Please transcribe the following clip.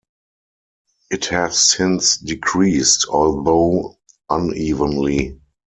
It has since decreased, although unevenly.